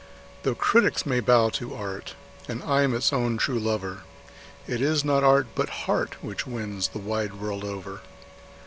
Though critics may bow to art, and I am its own true lover, It is not art, but heart, which wins the wide world over.